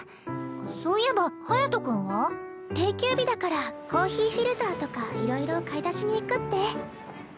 そういえば隼君は？定休日だからコーヒーフィルターとかいろいろ買い出しに行くって。